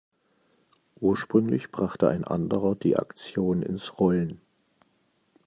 Ursprünglich brachte ein anderer die Aktion ins Rollen.